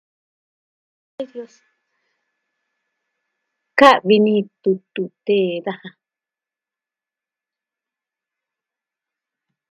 Ka'vi ni tutu tee daja.